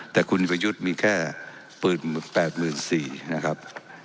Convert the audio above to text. แต่คุณประยุทธ์มีแค่๘๔๐๐นะครับ